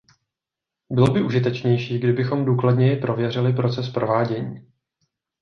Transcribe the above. Bylo by užitečnější, kdybychom důkladněji prověřili proces provádění.